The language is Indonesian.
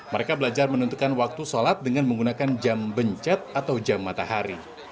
mereka belajar menentukan waktu sholat dengan menggunakan jam bencet atau jam matahari